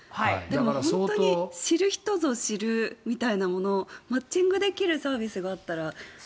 知る人ぞ知るみたいなものマッチングできるサービスがあったら。